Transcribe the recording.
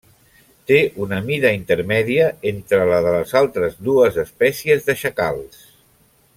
Té una mida intermèdia entre la de les altres dues espècies de xacals.